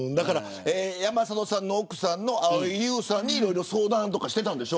山里さんの奥さんの蒼井優さんにいろいろ相談とかしてたんでしょ。